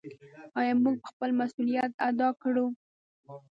آیا موږ به خپل مسوولیت ادا کړو؟